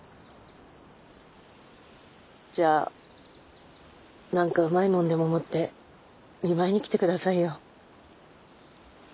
じゃあ何かうまいもんでも持って見舞いに来て下さいよ。